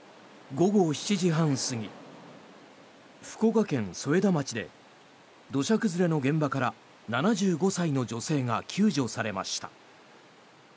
午後７時半過ぎ福岡県添田町で土砂崩れの現場から７５歳の女性が救助されました。